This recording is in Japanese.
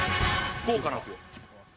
豪華なんですよ。